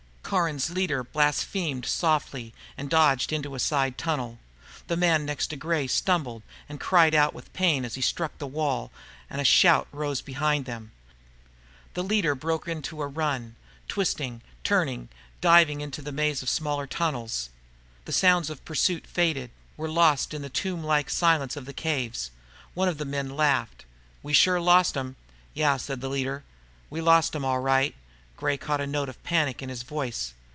Caron's leader blasphemed softly and dodged into a side tunnel. The man next to Gray stumbled and cried out with pain as he struck the wall, and a shout rose behind them. The leader broke into a run, twisting, turning, diving into the maze of smaller tunnels. The sounds of pursuit faded, were lost in the tomblike silence of the caves. One of the men laughed. "We sure lost 'em!" "Yeah," said the leader. "We lost 'em, all right." Gray caught the note of panic in his voice.